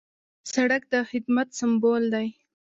سړک د خدمت سمبول دی.